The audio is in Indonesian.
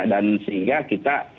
dan sehingga kita